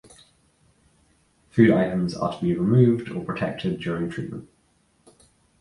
Food items are to be removed or protected during treatment.